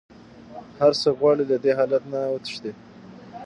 هر څوک غواړي له دې حالت نه وتښتي.